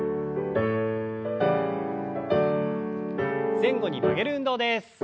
前後に曲げる運動です。